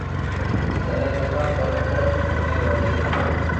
اس طرح دفاع پر خرچ ہونے والی رقم